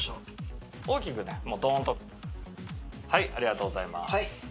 ありがとうございます。